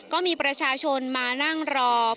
ก็มีประชาชนมานั่งรอ